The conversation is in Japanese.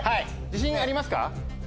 自信ありますか？